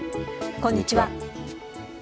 こんにちは。